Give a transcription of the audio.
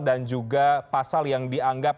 dan juga pasal yang dianggap